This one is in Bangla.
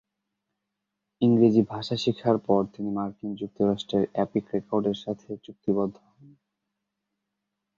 ইংরেজি ভাষা শিখার পর তিনি মার্কিন যুক্তরাষ্ট্রের এপিক রেকর্ডসের সাথে চুক্তিবদ্ধ হন।